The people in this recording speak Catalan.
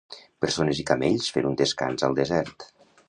Persones i camells fent un descans al desert.